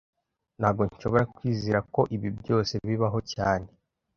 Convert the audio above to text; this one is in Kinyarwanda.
Ntago nshobora kwizera ko ibi byose bibaho cyane